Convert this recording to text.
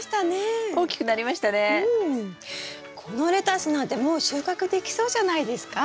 このレタスなんてもう収穫できそうじゃないですか？